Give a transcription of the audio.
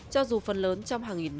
cho dù phần lớn trong hàng nghìn người